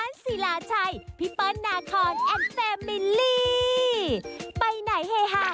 นี่ที่หลังเอากันแดดสั๋นดูดอ่ะมานะ